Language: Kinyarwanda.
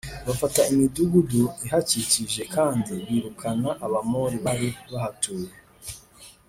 Bafata imidugudu ihakikije kandi birukana Abamori bari bahatuye